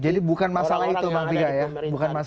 jadi bukan masalah itu